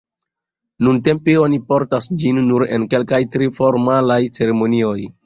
Nuntempe oni portas ĝin nur en kelkaj tre formalaj ceremonioj.